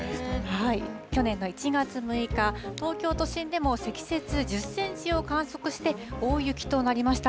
去年の１月６日、東京都心でも積雪１０センチを観測して、大雪となりました。